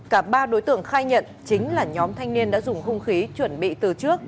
cả ba đối tượng khai nhận chính là nhóm thanh niên đã dùng hung khí chuẩn bị từ trước